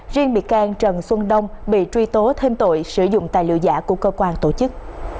riêng bị can trần xuân đông bị truy tố thêm tội sử dụng tài liệu giả của cơ quan tổ chức